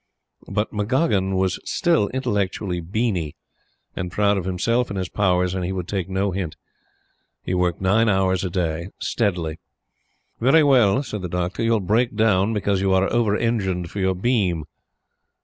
But McGoggin was still intellectually "beany" and proud of himself and his powers, and he would take no hint. He worked nine hours a day steadily. "Very well," said the doctor, "you'll break down because you are over engined for your beam."